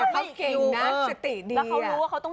และเค้ารู้ว่าเค้าต้องเหยียบกำหัว